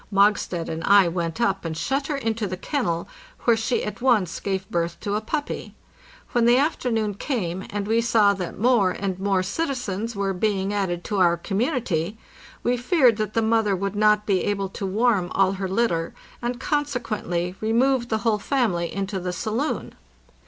Mogstad and I went up and shut her into the kennel, where she at once gave birth to a puppy. When the afternoon came, and we saw that more and more citizens were being added to our community, we feared that the mother would not be able to warm all her litter, and consequently re moved the whole family into the saloon.